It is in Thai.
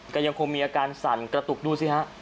ก็ยังคงมีอาการสั่นกระตุกดูสิฮะ